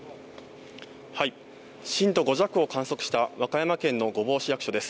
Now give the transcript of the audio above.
震度５弱を観測した和歌山県の御坊市役所です。